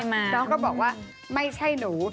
น้องก็บอกว่าไม่ใช่หนู